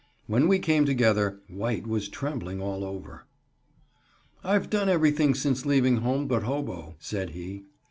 When we came together White was trembling all over. "I've done everything since leaving home but hobo," said he.